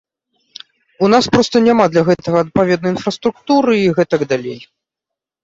У нас проста няма для гэтага адпаведнай інфраструктуры і гэтак далей.